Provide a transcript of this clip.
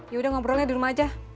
yaudah ngobrolnya di rumah aja